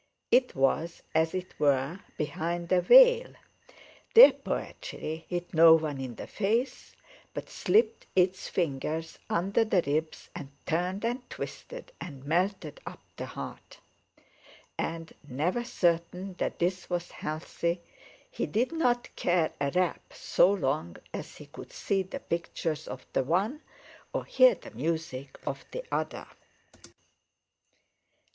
It was, as it were, behind a veil; their poetry hit no one in the face, but slipped its fingers under the ribs and turned and twisted, and melted up the heart. And, never certain that this was healthy, he did not care a rap so long as he could see the pictures of the one or hear the music of the other.